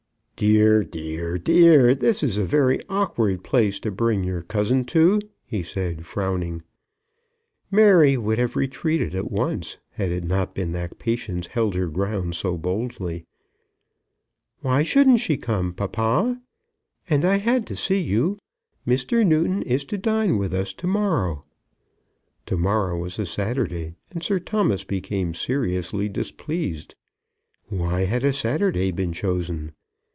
"Dear, dear, dear; this is a very awkward place to bring your cousin to," he said, frowning. Mary would have retreated at once had it not been that Patience held her ground so boldly. "Why shouldn't she come, papa? And I had to see you. Mr. Newton is to dine with us to morrow." To morrow was a Saturday, and Sir Thomas became seriously displeased. Why had a Saturday been chosen?